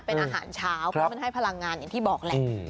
เป็นอาหารเช้าเพราะมันให้พลังงานอย่างที่บอกแหละ